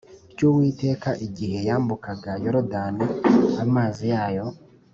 ry Uwiteka igihe yambukaga Yorodani amazi yayo